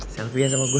selfie an sama gue